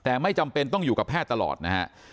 แต่ไม่จำเป็นต้องอยู่กับแพทย์ตลอดนะฮะ